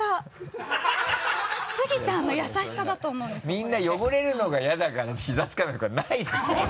みんな汚れるのが嫌だから膝つかないとかないですからね。